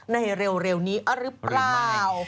เร็วนี้หรือเปล่า